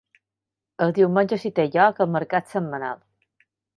Els diumenges hi té lloc el mercat setmanal.